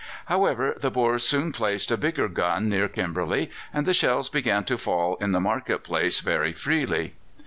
However, the Boers soon placed a bigger gun near Kimberley, and shells began to fall in the market place very freely.